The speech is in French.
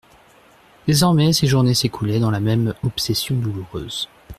Désormais, ses journées s'écoulaient dans la même obsession douloureuse.